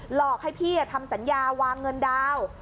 หลอกให้พี่ทำสัญญาวางเงินดาว